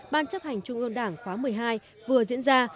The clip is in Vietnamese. ban chấp hành trung ương đảng khóa một mươi hai vừa diễn ra